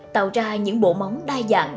tạo ra những bộ móng đa dạng